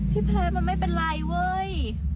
พี่แพ้มันไม่เป็นไรเว้ย